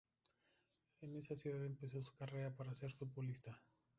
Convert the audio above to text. En esa ciudad empezó su carrera para ser futbolista.